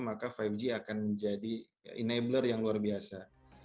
maka lima g akan menjadi enabler yang luar biasa